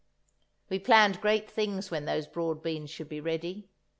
We planned great things when those broad beans should be ready.